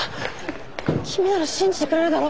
きみなら信じてくれるだろ。